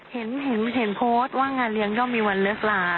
เห็นโพสต์ว่างานเลี้ยงย่อมมีวันเลิกลา